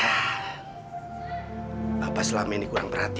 per plugin tweak dalam per players yang berada di perfecto